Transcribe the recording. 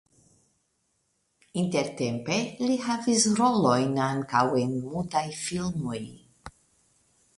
Intertempe li havis rolojn ankaŭ en mutaj filmoj.